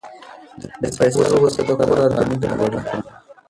د فیصل غوسه د کور ارامي ګډوډه کړه.